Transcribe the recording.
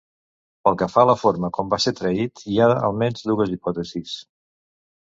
Pel que fa a la forma com va ser traït, hi ha almenys dues hipòtesis.